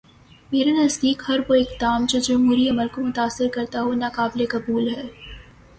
میرے نزدیک ہر وہ اقدام جو جمہوری عمل کو متاثر کرتا ہو، ناقابل قبول ہے۔